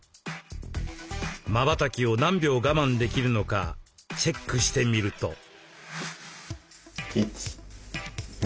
まばたきを何秒我慢できるのかチェックしてみると。